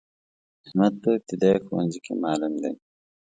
احمد په ابتدایه ښونځی کی معلم دی.